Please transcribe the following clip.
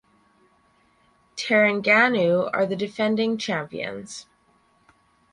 Terengganu are the defending champions.